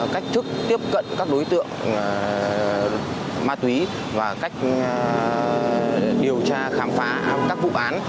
cách thức tiếp cận các đối tượng ma túy và cách điều tra khám phá các vụ án